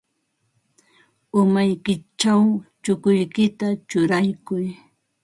Umaykićhaw chukuykita churaykuy.